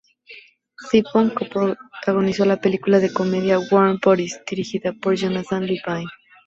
Tipton co-protagonizó la película de comedia "Warm Bodies", dirigida por Jonathan Levine.